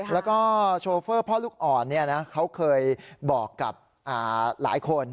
แล้วก็โชเฟอร์พ่อลูกอ่อนเขาเคยบอกกับหลายคน